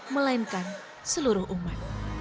melainkan seluruh umat